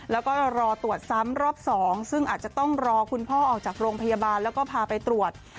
แล้วก็รอตรวจซ้ำรอบ๒ซึ่งอาจจะต้องรอคุณพ่อออกจากโรงพยาบาลแล้วก็พาไปตรวจ